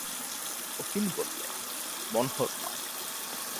অতীন বললে, মনোহর নয়।